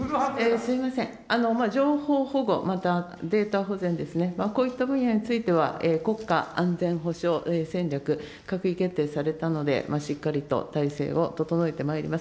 すみません、情報保護、またデータ保全ですね、こういった分野については、国家安全保障戦略、閣議決定されたので、しっかりと体制を整えてまいります。